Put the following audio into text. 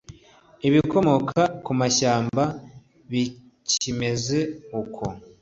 ibikomoka ku mashyamba bikimeze uko